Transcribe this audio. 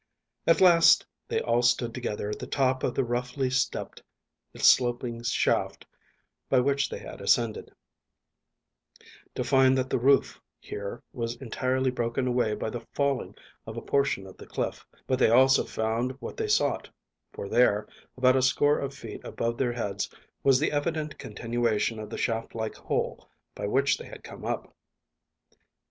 At last they all stood together at the top of the roughly stepped sloping shaft by which they had ascended, to find that the roof here was entirely broken away by the falling of a portion of the cliff; but they found also what they sought, for there, about a score of feet above their heads, was the evident continuation of the shaft like hole by which they had come up.